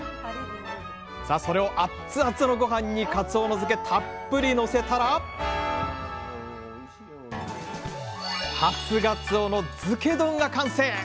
さあそれをアッツアツのごはんにかつおの漬けたっぷりのせたら初がつおの漬け丼が完成。